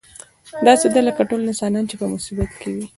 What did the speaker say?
داسې ده لکه ټول انسانان چې په مصیبت کې وي.